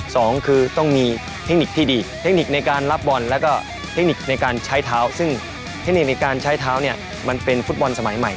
สองคือต้องมีเทคนิคที่ดีเทคนิคในการรับบอลแล้วก็เทคนิคในการใช้เท้า